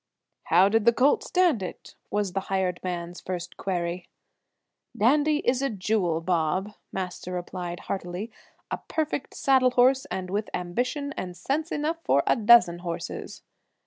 "How did the colt stand it?" was the hired man's first query. "Dandy is a jewel, Bob!" Master replied heartily, "a perfect saddle horse and with ambition and sense enough for a dozen horses."